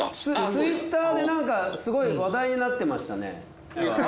ツイッターですごい話題になってましたね。